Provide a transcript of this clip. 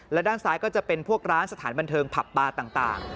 และด้านซ้ายก็จะเป็นพวกร้านสถานบันเทิงผับบาร์ต่าง